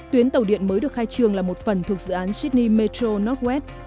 tuyến tàu điện mới được khai trường là một phần thuộc dự án sydney metro north west